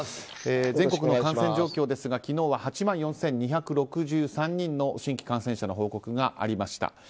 全国の感染状況ですが昨日は８万４２６３人の新規感染者の報告がありました。